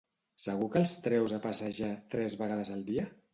Segur que el treus a passejar tres vegades al dia?